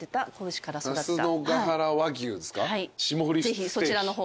ぜひそちらの方。